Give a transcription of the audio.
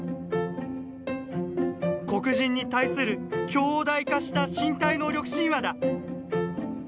黒人に対する強大化した身体能力神話だ」。